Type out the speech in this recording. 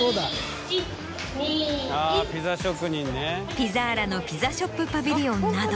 ピザーラのピザショップパビリオンなど。